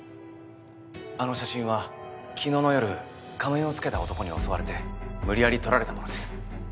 あの写真は昨日の夜仮面をつけた男に襲われて無理やり撮られたものです。